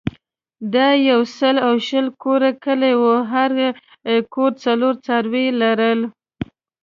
دا یو سل او شل کوره کلی وو او هر کور څلور څاروي لرل.